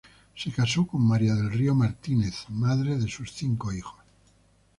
Se casó con María del Río Martínez, madre de sus cinco hijos.